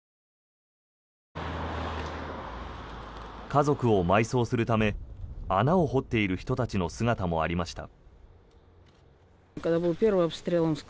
家族を埋葬するため穴を掘っている人たちの姿もありました。